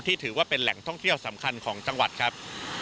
ถือว่าเป็นแหล่งท่องเที่ยวสำคัญของจังหวัดครับ